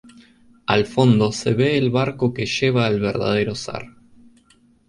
Al fondo se ve el barco que lleva al verdadero zar.